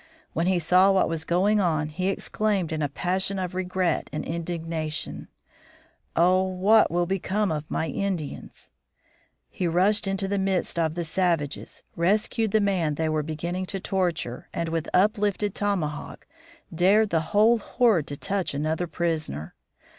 When he saw what was going on he exclaimed in a passion of regret and indignation, "Oh, what will become of my Indians!" He rushed into the midst of the savages, rescued the man they were beginning to torture, and, with uplifted tomahawk, dared the whole horde to touch another prisoner.